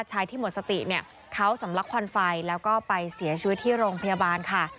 ที่หมดสติเนี่ยเขาสำลักควันไฟแล้วก็ไปเสียชีวิตที่โรงพยาบาลค่ะ